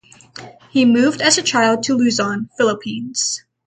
He moved as child to Luzon (Philippines).